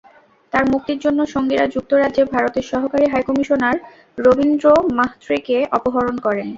তাঁর মুক্তির জন্য সঙ্গীরা যুক্তরাজ্যে ভারতের সহকারী হাইকমিশনার রবীন্দ্র মাহত্রেকে অপহরণ করেন।